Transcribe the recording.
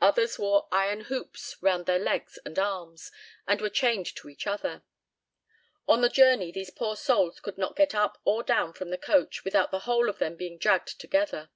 Others wore iron hoops round their legs and arms, and were chained to each other. On the journey these poor souls could not get up or down from the coach without the whole of them being dragged together.